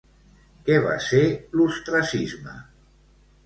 Què va ser l'ostracisme?